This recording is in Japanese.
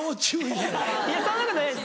そんなことないです。